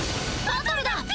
バトルだ！